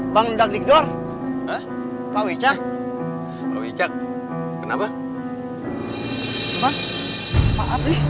bangda digdor pak wiccah kenapa